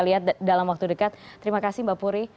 lihat dalam waktu dekat terima kasih mbak puri